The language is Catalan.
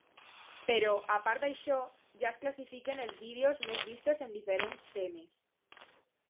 Però a part d'això ja es classifiquen els vídeos més vistos en diferents temes.